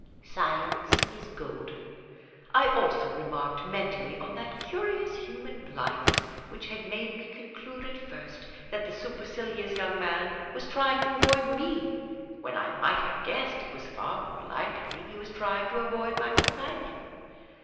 Silence is golden. I also remarked mentally on that curious human blindness which had made me conclude at first that the su percilious young man was trying to avoid 7)ie, when I might have guessed it was far more likely he was trying to avoid my companion.